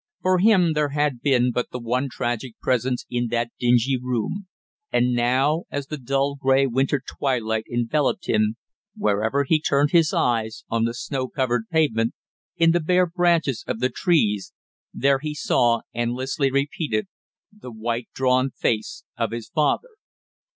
For him there had been but the one tragic presence in that dingy room; and now as the dull gray winter twilight enveloped him, wherever he turned his eyes, on the snow covered pavement, in the bare branches of the trees, there he saw, endlessly repeated, the white drawn face of his father.